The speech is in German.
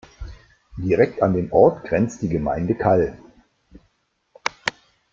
Direkt an den Ort grenzt die Gemeinde Kall.